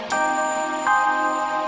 tidak ada turnur